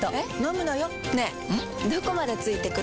どこまで付いてくる？